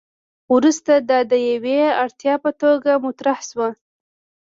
وروسته دا د یوې اړتیا په توګه مطرح شو.